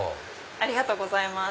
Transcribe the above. ありがとうございます。